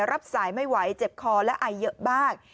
รับสายไม่ไหวเจ็บคอและไอเยอะมาก